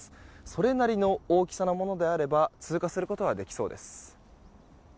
それなりの大きさのものであれば通過することはできそうです。